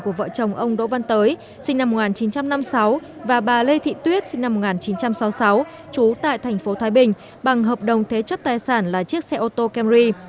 của vợ chồng ông đỗ văn tới sinh năm một nghìn chín trăm năm mươi sáu và bà lê thị tuyết sinh năm một nghìn chín trăm sáu mươi sáu trú tại thành phố thái bình bằng hợp đồng thế chấp tài sản là chiếc xe ô tô camry